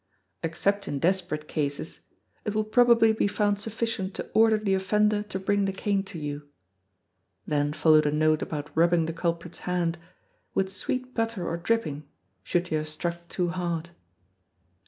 Except in desperate cases "it will probably be found sufficient to order the offender to bring the cane to you." Then followed a note about rubbing the culprit's hand "with sweet butter or dripping" should you have struck too hard.